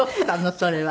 それは。